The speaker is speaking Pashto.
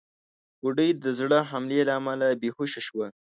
بوډۍ د زړه حملې له امله بېهوشه شوه.